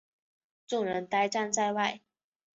众人呆站在外